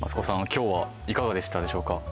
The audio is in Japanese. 今日はいかがでしたでしょうか